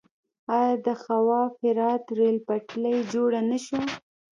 آیا د خواف هرات ریل پټلۍ جوړه نه شوه؟